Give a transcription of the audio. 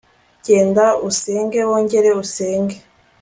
genda usenge wongere usenge